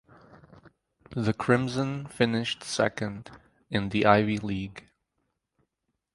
The Crimson finished second in the Ivy League.